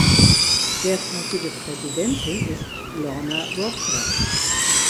Derzeitige Präsidentin ist Lorna Rogers.